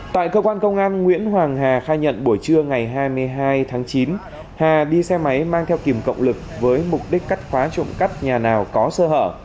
tại cơ quan công an nguyễn hoàng hà khai nhận buổi trưa ngày hai mươi hai tháng chín hà đi xe máy mang theo kìm cộng lực với mục đích cắt khóa trộm cắp nhà nào có sơ hở